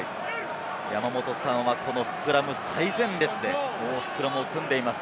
山本さんは、このスクラム最前線でスクラムを組んでいます。